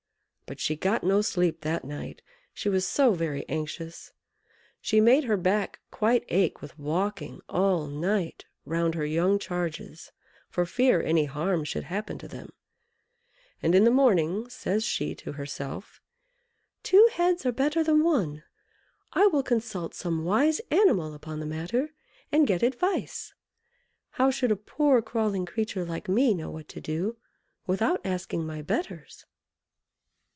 But she got no sleep that night, she was so very anxious. She made her back quite ache with walking all night round her young charges, for fear any harm should happen to them; and in the morning says she to herself "Two heads are better than one. I will consult some wise animal upon the matter, and get advice. How should a poor crawling creature like me know what to do without asking my betters?"